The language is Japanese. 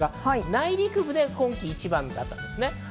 内陸部で今季一番だったんですね。